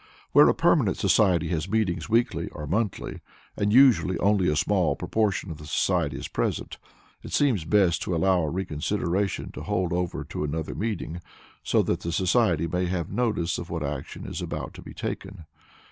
Where a permanent society has meetings weekly or monthly, and usually only a small proportion of the society is present, it seems best to allow a reconsideration to hold over to another meeting, so that the society may have notice of what action is about to be taken.